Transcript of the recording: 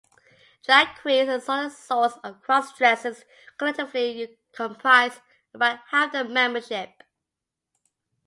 Drag queens and other sorts of cross-dressers collectively comprise about half of the membership.